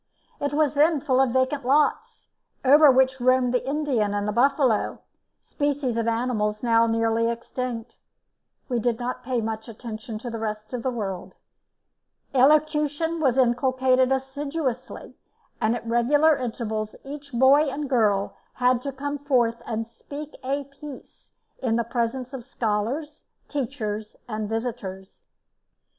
It was then full of vacant lots, over which roamed the Indian and the buffalo, species of animals now nearly extinct. We did not pay much attention to the rest of the world. Elocution was inculcated assiduously, and at regular intervals each boy and girl had to come forth and "speak a piece" in the presence of the scholars, teachers, and visitors.